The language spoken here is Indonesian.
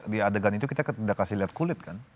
di adegan itu kita sudah kasih lihat kulit kan